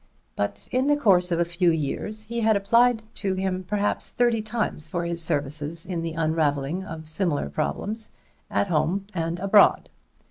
But in the course of a few years he had applied to him perhaps thirty times for his services in the unraveling of similar problems at home and abroad.